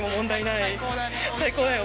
最高だね